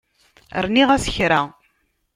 Rniɣ-as kra.